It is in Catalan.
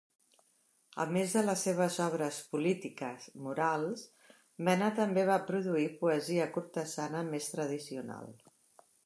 A més de les seves obres polítiques morals, Mena també va produir poesia cortesana més tradicional.